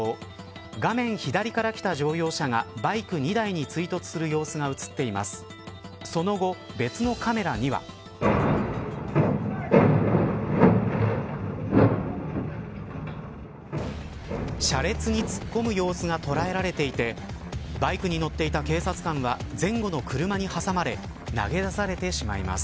画面左から来た乗用車がバイク２台に追突する様子が映っています。